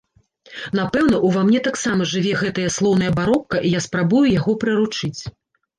Напэўна, ува мне таксама жыве гэтае слоўнае барока, і я спрабую яго прыручыць.